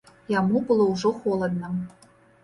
Яму было ўжо холадна.